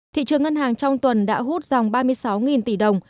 thị trường ngân hàng trong tuần đã hút dòng ba mươi sáu tỷ đồng